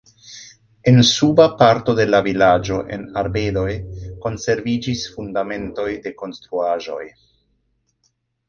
En suba parto de la vilaĝo en arbedoj konserviĝis fundamentoj de konstruaĵoj.